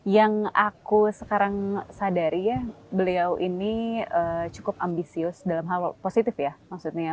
yang aku sekarang sadari ya beliau ini cukup ambisius dalam hal positif ya maksudnya ya